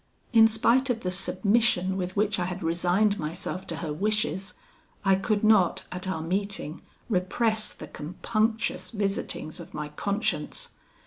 "In spite of the submission with which I had resigned myself to her wishes, I could not, at our meeting, repress the compunctious visitings of my conscience.